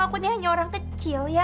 aku nih hanya orang kecil ya